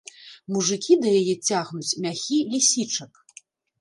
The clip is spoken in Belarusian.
Мужыкі да яе цягнуць мяхі лісічак!